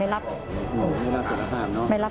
สวัสดีครับ